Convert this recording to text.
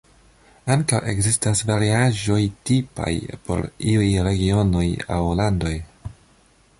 Ankaŭ ekzistas variaĵoj tipaj por iuj regionoj aŭ landoj.